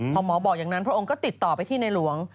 พอหมอบอกอย่างนั้นพระองค์ก็ติดต่อไปที่ในหลวง